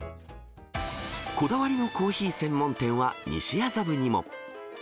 こだわりのコーヒー専門店は、西麻布にも。